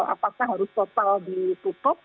apakah harus total ditutup